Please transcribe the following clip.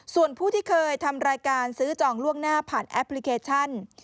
ส่วนผู้ที่เคยทำรายการซื้อจองล่วงหน้าผ่านแอปพลิเคชัน